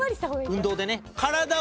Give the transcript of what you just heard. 運動でね。